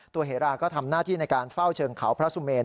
เหราก็ทำหน้าที่ในการเฝ้าเชิงเขาพระสุเมน